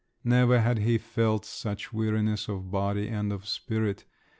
Never had he felt such weariness of body and of spirit.